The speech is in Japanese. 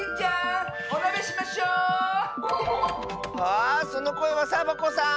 あそのこえはサボ子さん！